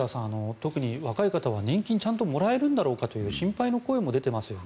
特に若い方は年金をちゃんともらえるんだろうかという心配の声も出ていますよね。